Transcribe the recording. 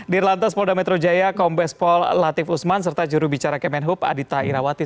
dirlantas polda metro jaya kombes pol latif usman serta jurubicara kemenhub adita irawati